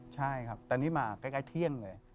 ใช่ครับแต่นี่มาใกล้เที่ยงเลย